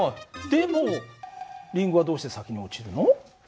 でもリンゴはどうして先に落ちるの？